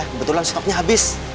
kebetulan stoknya habis